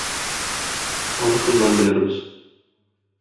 Аны шуннан белербез.